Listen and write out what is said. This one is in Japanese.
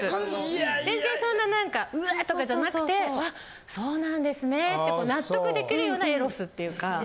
全然そんな何かうわっ！とかじゃなくて「わっそうなんですね」って納得できるようなエロスっていうか。